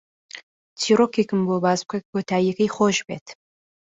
چیرۆکێکم بۆ باس بکە کە کۆتایییەکەی خۆش بێت.